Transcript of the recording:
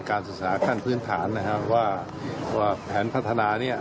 การศึกษาขั้นพื้นฐานนะครับว่าแผนพัฒนาเนี่ย